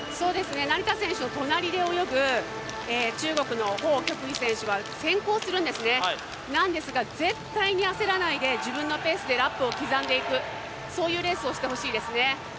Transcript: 成田選手の隣で泳ぐ中国の彭旭イ選手は先行するんですね、なんですが絶対に焦らないで自分のペースでラップを刻んでいく、そういうレースをしてほしいですね。